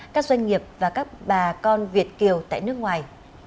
các doanh nghiệp và các bà con việt kiều tại nước ngoài